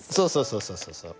そうそうそうそう。